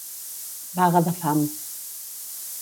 Vaga de fam.